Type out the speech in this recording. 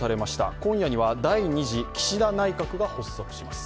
今夜には第２次岸田内閣が発足します。